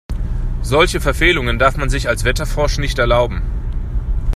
Solche Verfehlungen darf man sich als Wetterfrosch nicht erlauben.